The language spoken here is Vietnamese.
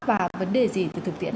và vấn đề gì từ thực tiễn